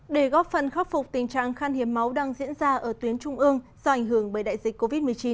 để góp phần khắc phục tình trạng khan hiếm máu đang diễn ra ở tuyến trung ương do ảnh hưởng bởi đại dịch covid một mươi chín